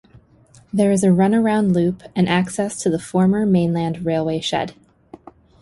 There is a runaround loop and access to the former mainline railway shed.